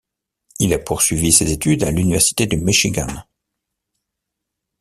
Il a poursuivi ses études à l'Université du Michigan.